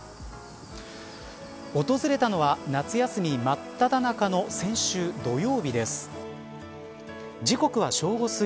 訪れたのは夏休みまっただ中の先週土曜日です。